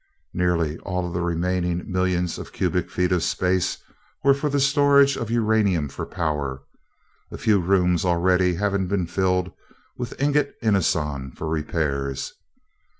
Nearly all of the remaining millions of cubic feet of space were for the storage of uranium for power, a few rooms already having been filled with ingot inoson for repairs.